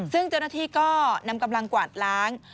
ซึ่งเจ้าหน้าที่ก็นำกำลังกวาดล้าง